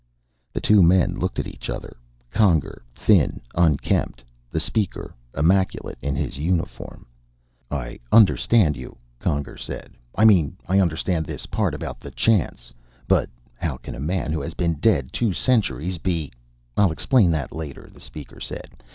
The two men looked at each other; Conger, thin, unkempt, the Speaker immaculate in his uniform. "I understand you," Conger said. "I mean, I understand this part, about the chance. But how can a man who has been dead two centuries be " "I'll explain later," the Speaker said.